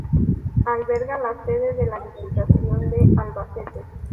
Alberga la sede de la Diputación de Albacete.